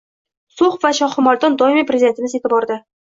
So‘x va Shohimardon doimo Prezidentimizning e’tiborida